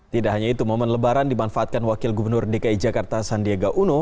tidak hanya itu momen lebaran dimanfaatkan wakil gubernur dki jakarta sandiaga uno